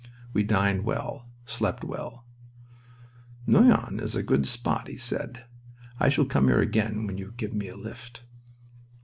We dined well, slept well. "Noyon is a good spot," he said. "I shall come here again when you give me a lift."